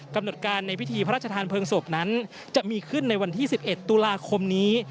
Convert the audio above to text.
กำหนดการในพิธีพระราชทานเพลิงศพนั้นจะมีขึ้นในวันที่๑๑ตุลาคมนี้